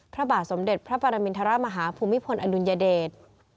พระบาทสมเด็จพระปรมินทรมาฮาภูมิพลอดุลยเดช